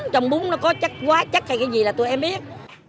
trong bún nó có chất quá chất hay cái gì là tụi em biết